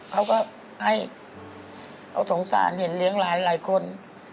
เขาก็ให้เขาสงสารเห็นเลี้ยงหลานหลายคน